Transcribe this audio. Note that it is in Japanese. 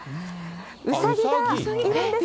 ウサギがいるんです。